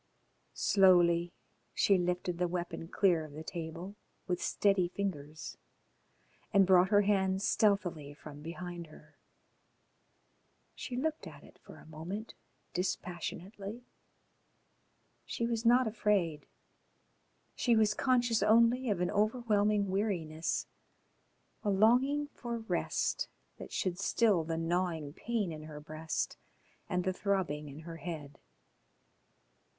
Slowly she lifted the weapon clear of the table with steady fingers and brought her hand stealthily from behind her. She looked at it for a moment dispassionately. She was not afraid. She was conscious only of an overwhelming weariness, a longing for rest that should still the gnawing pain in her breast and the throbbing in her head....